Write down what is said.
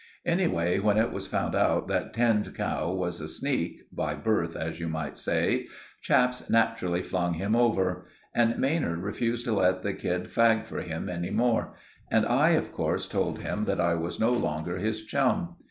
Anyway, when it was found out that Tinned Cow was a sneak—by birth, as you might say—chaps naturally flung him over; and Maynard refused to let the kid fag for him any more; and I, of course, told him that I was no longer his chum.